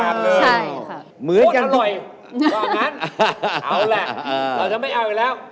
ก็งั้นเอาละเราจะไม่เอาอีกแล้ว